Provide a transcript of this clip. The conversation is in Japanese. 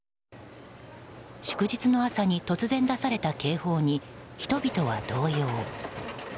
祝日の朝に突然出された警報に人々は動揺。